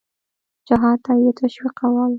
جهاد ته یې تشویقول.